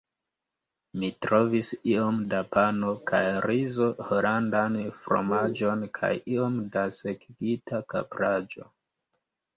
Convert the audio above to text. Mi trovis iom da pano kaj rizo, holandan fromaĝon, kaj iom da sekigita kapraĵo.